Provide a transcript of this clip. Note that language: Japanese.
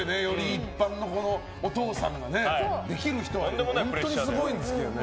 一般のお父さんができる人は本当にすごいんですけどね。